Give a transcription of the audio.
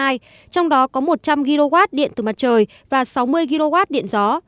trong đó có một trăm linh kwh điện từ mặt trời và sáu mươi kwh điện gió